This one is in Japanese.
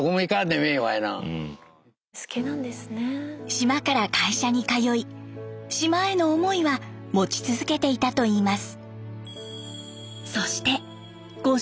島から会社に通い島への思いは持ち続けていたといいます。